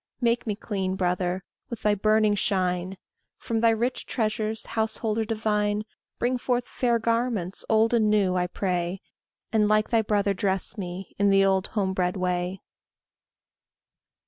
Make me clean, brother, with thy burning shine; From thy rich treasures, householder divine, Bring forth fair garments, old and new, I pray, And like thy brother dress me, in the old home bred way.